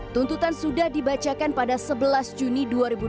tuntutan sudah dibacakan pada sebelas juni dua ribu dua puluh